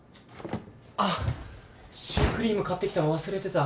あっシュークリーム買ってきたの忘れてた。